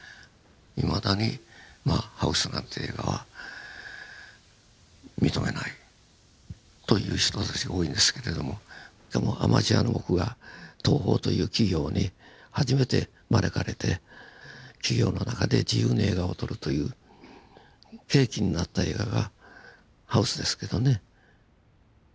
いまだに「ＨＯＵＳＥハウス」なんて映画は認めないという人たちが多いんですけれどもでもアマチュアの僕が東宝という企業に初めて招かれて企業の中で自由に映画を撮るという契機になった映画が「ＨＯＵＳＥハウス」ですけどね。